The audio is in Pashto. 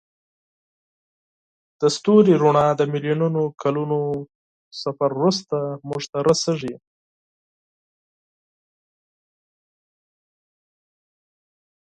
د ستوري رڼا د میلیونونو کلونو سفر وروسته موږ ته رسیږي.